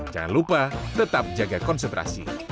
jangan lupa tetap jaga konsentrasi